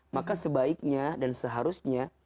maka sebaiknya dan seharusnya